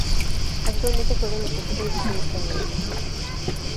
Actualmente juega en la Tercera División Española.